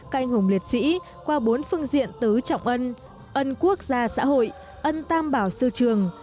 canh hùng liệt sĩ qua bốn phương diện tứ trọng ân ân quốc gia xã hội ân tam bảo sư trường